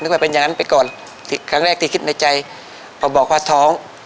ว่าเป็นอย่างนั้นไปก่อนครั้งแรกที่คิดในใจพอบอกว่าท้อง